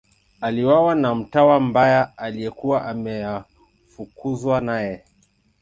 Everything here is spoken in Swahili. Aliuawa na mtawa mbaya aliyekuwa ameafukuzwa naye.